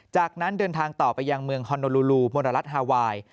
จากนั้นเดินทางต่อไปยังเมืองฮอนโดลูลูมนรัฐฮาไวน์